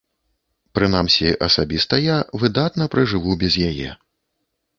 Прынамсі, асабіста я выдатна пражыву без яе.